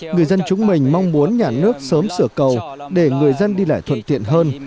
người dân chúng mình mong muốn nhà nước sớm sửa cầu để người dân đi lại thuận tiện hơn